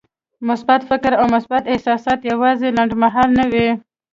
مثبت فکر او مثبت احساسات يوازې لنډمهاله نه وي.